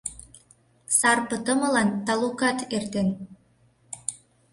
Сар пытымылан талукат эртен.